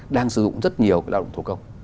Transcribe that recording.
đang sử dụng rất nhiều lao động thủ công